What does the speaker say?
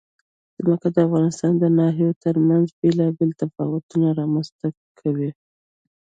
ځمکه د افغانستان د ناحیو ترمنځ بېلابېل تفاوتونه رامنځ ته کوي.